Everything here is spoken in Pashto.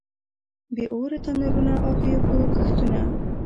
بې اوره تنورونه او بې اوبو کښتونه.